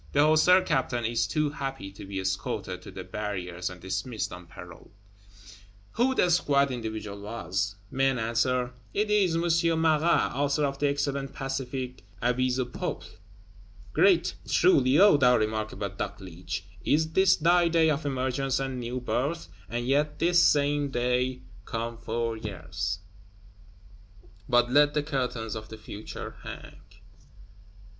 The Hussar Captain is too happy to be escorted to the barriers and dismissed on parole. Who the squat individual was? Men answer, It is M. Marat, author of the excellent pacific 'Avis au Peuple'! Great, truly, O thou remarkable Dogleech, is this thy day of emergence and new birth; and yet this same day come four years! But let the curtains of the Future hang.